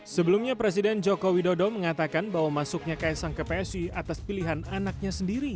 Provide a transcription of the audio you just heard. sebelumnya presiden joko widodo mengatakan bahwa masuknya kaisang ke psi atas pilihan anaknya sendiri